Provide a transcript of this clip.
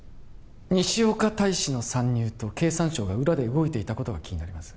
西岡大使の参入と経産省が裏で動いていたことが気になります